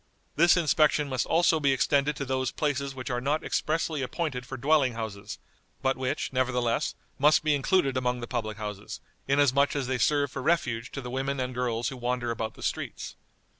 This inspection must also be extended to those places which are not expressly appointed for dwelling houses, but which, nevertheless, must be included among the public houses, inasmuch as they serve for refuge to the women and girls who wander about the streets."